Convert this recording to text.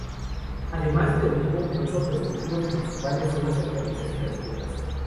Además del olivo, los otros cultivos principales son las hortalizas y las frutas.